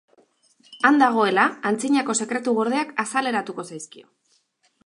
Han dagoela, antzinako sekretu gordeak azaleratuko zaizkio.